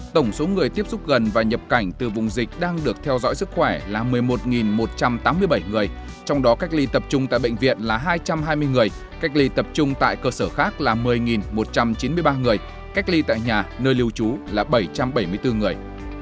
tổng số người tiếp xúc gần và nhập cảnh từ vùng dịch đang được theo dõi sức khỏe là một mươi một một trăm tám mươi bảy người trong đó cách ly tập trung tại bệnh viện là hai trăm hai mươi người cách ly tập trung tại cơ sở khác là một mươi một trăm chín mươi ba người cách ly tại nhà nơi lưu trú là bảy trăm bảy mươi bốn người